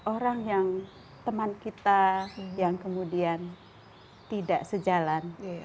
orang yang teman kita yang kemudian tidak sejalan